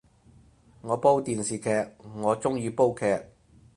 我煲電視劇，我鍾意煲劇